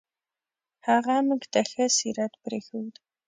هغه موږ ته ښه سیرت پرېښود.